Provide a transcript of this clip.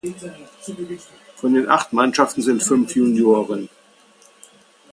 Von den acht Mannschaften sind fünf Junioren.